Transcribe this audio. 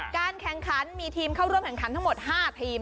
การแข่งขันมีทีมเข้าร่วมแข่งขันทั้งหมด๕ทีม